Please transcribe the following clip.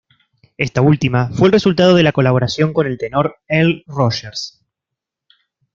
Esta última fue el resultado de la colaboración con el tenor Earl Rogers.